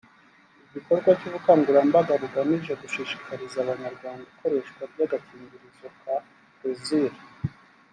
Igikorwa cy’ubukangurambaga bugamije gushishikariza Abanyarwanda ikoreshwa ry’agakingirizo ka Plaisir